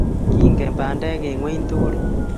Kingen bandek eng ingweny tugul